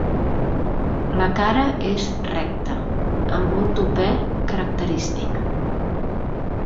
La cara és recta, amb un tupè característic.